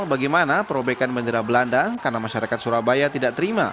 bagaimana perobekan bendera belanda karena masyarakat surabaya tidak terima